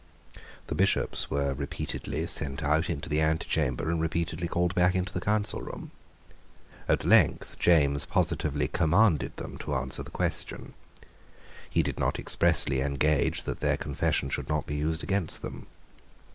The Bishops were repeatedly sent out into the antechamber, and repeatedly called back into the Council room. At length James positively commanded them to answer the question. He did not expressly engage that their confession should not be used against them.